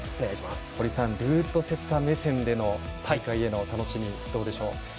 堀さん、ルートセッター目線での大会への楽しみ、どうでしょう。